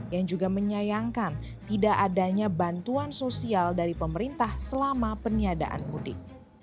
yang juga menyayangkan tidak adanya bantuan sosial dari pemerintah selama peniadaan mudik